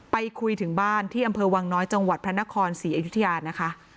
ไปคุยถึงบ้านที่อำเภอวังน้อยจังหวัดพระนครศรีอยุธยานะคะ